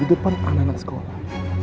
di depan anak anak sekolah